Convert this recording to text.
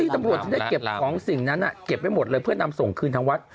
ตำรวจจะได้เก็บของสิ่งนั้นเก็บไว้หมดเลยเพื่อนำส่งคืนทางวัด